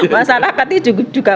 masyarakat itu juga